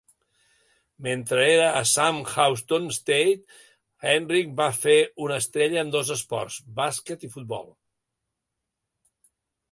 Mentre era a Sam Houston State, Heinrich va ser una estrella en dos esports, bàsquet i futbol.